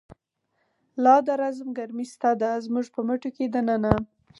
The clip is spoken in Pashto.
لا د رزم گرمی شته ده، زمونږ په مټو کی د ننه